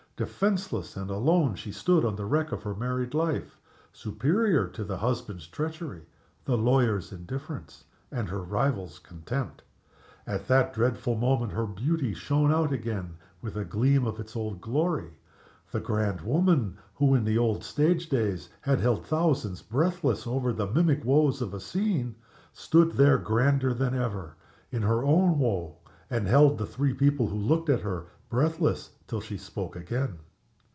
Defenseless and alone she stood on the wreck of her married life, superior to the husband's treachery, the lawyer's indifference, and her rival's contempt. At that dreadful moment her beauty shone out again with a gleam of its old glory. The grand woman, who in the old stage days had held thousands breathless over the mimic woes of the scene, stood there grander than ever, in her own woe, and held the three people who looked at her breathless till she spoke again.